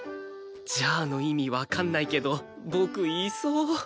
「じゃあ」の意味わかんないけど僕言いそう。